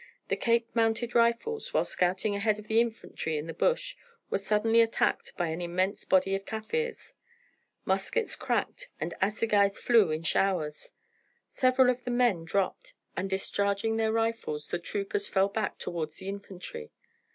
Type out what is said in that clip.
The Cape Mounted Rifles, while scouting ahead of the infantry in the bush, were suddenly attacked by an immense body of Kaffirs. Muskets cracked, and assegais flew in showers. Several of the men dropped, and discharging their rifles, the troopers fell back towards the infantry.